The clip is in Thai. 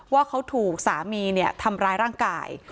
ว่าเขาถูกสามีทำร้ายร่างกาย